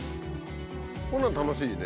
こんなの楽しいね。